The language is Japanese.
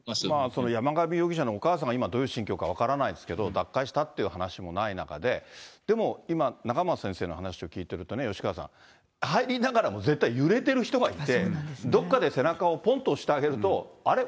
その山上容疑者のお母さんがどういう心境か分からないですけど、脱会したって話もない中で、でも今、仲正先生の話を聞いてるとね、吉川さん、入りながらも絶対揺れてる人がいて、どっかで背中をぽんと押してあげると、あれ？